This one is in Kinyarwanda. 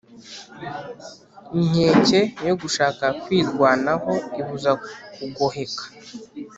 Inkeke yo gushaka kwirwanaho ibuza kugoheka,